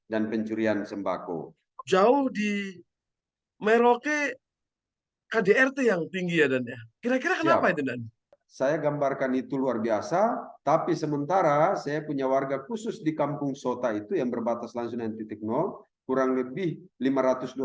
dan pencurian sembako jauh di merauke kdrt yang tinggi adalah kira kira kenapa dengan saya gambarkan itu luar biasa tapi sementara kira kira kenapa itu dan saya gambarkan itu luar biasa tapi sementara saya punya wakilnya yang punya wakil kesehatan tenaga yang aku berhenti kehidupan dan aku berhenti kehidupan dengan kdrt kira kira kenapa itu anehnya kira kira kenapa itu anehnya